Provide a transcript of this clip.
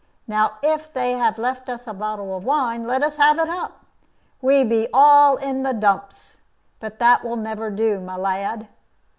Now if they have left us a bottle of wine, let us have it up. We be all in the dumps. But that will never do, my lad."